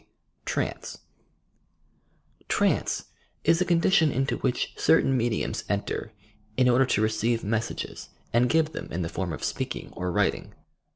I TRANCE Trance is a condition into which certain mediums enter in order to receive messages and give them in the form of speaking or writing.